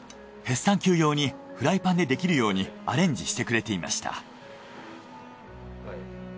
ヘスタンキュー用にフライパンでできるようにアレンジしてくれていました。